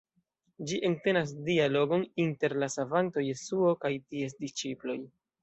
Ĝi entenas dialogon inter la Savanto Jesuo kaj ties disĉiploj.